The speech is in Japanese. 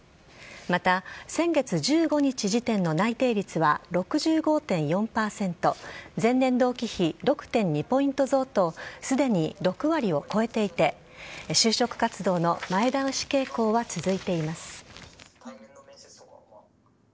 また、先月１５日時点の内定率は６５．４％前年同期比６．２ポイント増とすでに６割を超えていて就職活動の前倒し傾向は続いています。